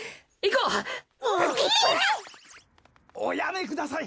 おやめください